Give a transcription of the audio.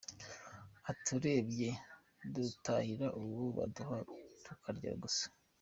Ati"Urebye dutahira uwo baduha tukarya gusa.